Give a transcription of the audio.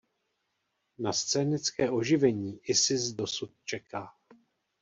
Na scénické oživení "Isis" dosud čeká.